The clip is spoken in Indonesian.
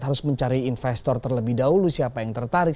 harus mencari investor terlebih dahulu siapa yang tertarik